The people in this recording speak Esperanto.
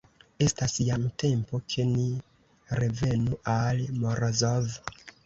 Estas jam tempo, ke ni revenu al Morozov.